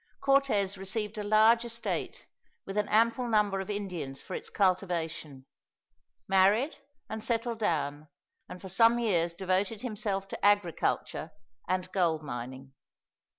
Cortez received a large estate, with an ample number of Indians for its cultivation; married, and settled down, and for some years devoted himself to agriculture and gold mining.